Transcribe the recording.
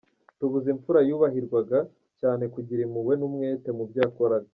Tubuze imfura yubahirwaga cyane kugira impuhwe n’umwete mu byo yakoraga.